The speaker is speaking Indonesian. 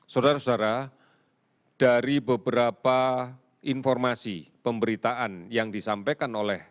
saudara saudara dari beberapa informasi pemberitaan yang disampaikan oleh